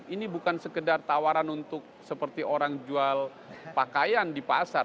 ini bukan sekedar tawaran untuk seperti orang jual pakaian di pasar